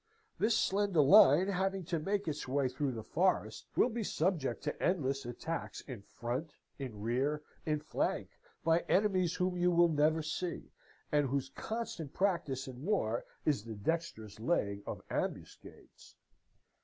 This slender line, having to make its way through the forest, will be subject to endless attacks in front, in rear, in flank, by enemies whom you will never see, and whose constant practice in war is the dexterous laying of ambuscades.'